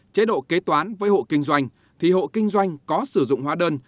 chế độ kế toán với hộ kinh doanh thì hộ kinh doanh có sử dụng hóa đơn